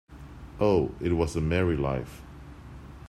Oh, it was a merry life!